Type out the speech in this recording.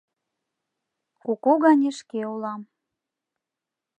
Куку гане шке улам